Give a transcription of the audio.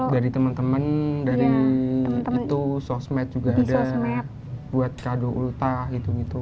dari temen temen sosmed juga ada buat kado ulta gitu gitu